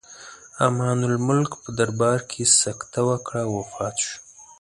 امان الملک په دربار کې سکته وکړه او وفات شو.